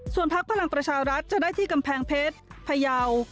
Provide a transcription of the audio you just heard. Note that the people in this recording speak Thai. พักพลังประชารัฐจะได้ที่กำแพงเพชรพยาว